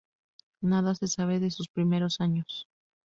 Nada se sabe de sus primeros años.